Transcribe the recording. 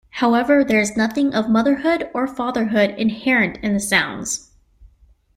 However, there is nothing of motherhood or fatherhood inherent in the sounds.